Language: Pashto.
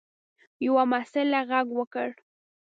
یوه محصل غږ وکړ.